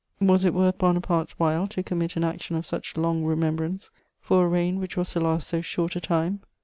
Was it worth Bonaparte's while to commit an action of such long remembrance for a reign which was to last so short a time?